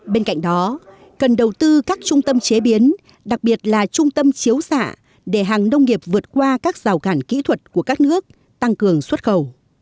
bên cạnh đó cần đầu tư các trung tâm chế biến đặc biệt là trung tâm chiếu xạ để hàng nông nghiệp vượt qua các rào cản kỹ thuật của các nước tăng cường xuất khẩu